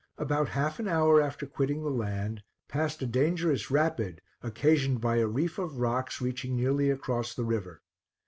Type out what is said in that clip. About half an hour after quitting the land, passed a dangerous rapid, occasioned by a. reef of rocks reaching nearly across the river.